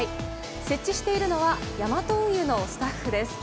設置しているのはヤマト運輸のスタッフです。